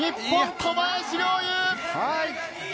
小林陵侑か？